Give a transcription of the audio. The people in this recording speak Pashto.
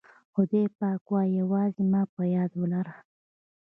خدای پاک وایي یوازې ما په یاد ولره.